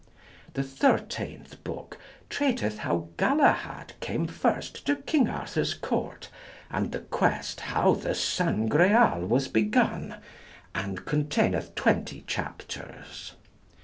The thirteenth book treateth how Galahad came first to King Arthur's court, and the quest how the Sangreal was begun, and containeth 20 chapters.